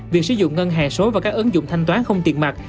việc sử dụng ngân hàng số và các ứng dụng thanh toán không tiền mặt